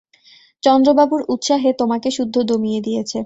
চন্দ্রবাবুর উৎসাহে তোমাকে সুদ্ধ দমিয়ে দিয়েছে।